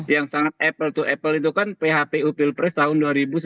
yang sangat apple to apple itu kan phpu pilpres tahun dua ribu sembilan belas